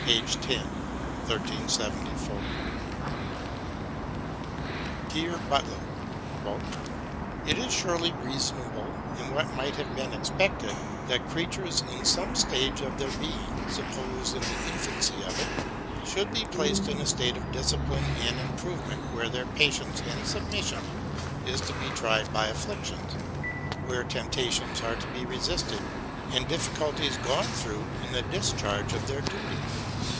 1374. BROWNING AND BUTLER 207 Hear Butler : It is surely reasonable, aad what might have been expected, that creatures in some stage of their being, suppose in the infancy of it, should be placed in a state of discipUne and improvement where their patience and submission is to be tried by afflictions ; where temptations are to be resisted and difficulties gone through in the discharge of their duty.